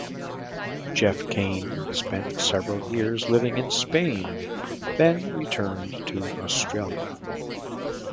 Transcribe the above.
Geoff Cain spent several years living in Spain, then returned to Australia.